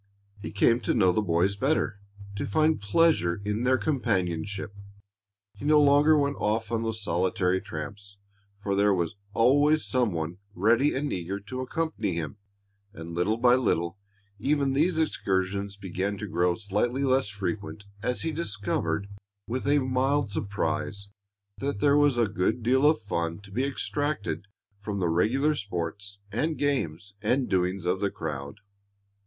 He came to know the boys better, to find pleasure in their companionship. He no longer went off on those solitary tramps, for there was always some one ready and eager to accompany him. And little by little even these excursions began to grow slightly less frequent as he discovered, with a mild surprise, that there was a good deal of fun to be extracted from the regular sports and games and doings of the crowd.